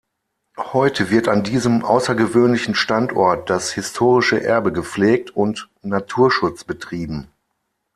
Heute wird an diesem außergewöhnlichen Standort das historische Erbe gepflegt und Naturschutz betrieben.